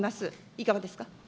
いかがですか。